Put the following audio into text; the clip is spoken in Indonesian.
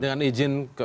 dengan izin ke